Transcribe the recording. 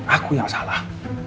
aku yang salah